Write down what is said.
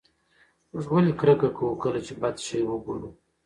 موږ ولې کرکه کوو کله چې بد شی وګورو؟